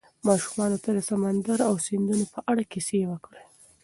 ماشومانو ته د سمندر او سیندونو په اړه کیسې وکړئ.